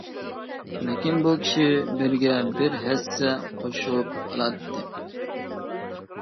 لېكىن، بۇ كىشى بىرگە بىر ھەسسە قوشۇپ ئالاتتى.